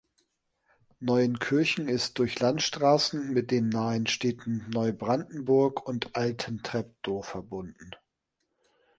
Neuenkirchen ist durch Landstraßen mit den nahen Städten Neubrandenburg und Altentreptow verbunden.